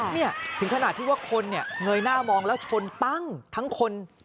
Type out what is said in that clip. เนี่ยถึงขนาดที่ว่าคนเนี่ยเงยหน้ามองแล้วชนปั้งทั้งคน